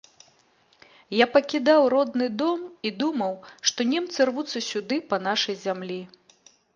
Я пакідаў родны дом і думаў, што немцы рвуцца сюды па нашай зямлі.